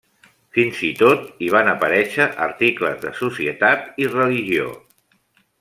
Fins i tot hi van aparèixer articles de societat i religió.